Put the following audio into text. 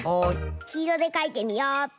きいろでかいてみよっと。